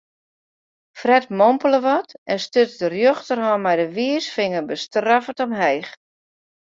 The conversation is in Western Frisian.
Fred mompele wat en stuts de rjochterhân mei de wiisfinger bestraffend omheech.